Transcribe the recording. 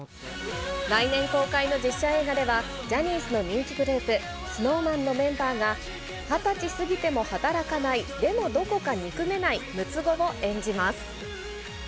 来年公開の実写映画では、ジャニーズの人気グループ、ＳｎｏｗＭａｎのメンバーが、２０歳過ぎても働かない、でもどこか憎めない６つ子を演じます。